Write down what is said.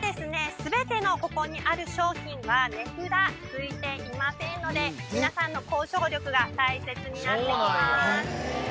全てのここにある商品は値札ついていませんので皆さんの交渉力が大切になってきます